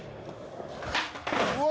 うわ。